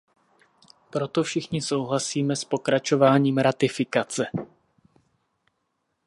Proto všichni souhlasíme s pokračováním ratifikace.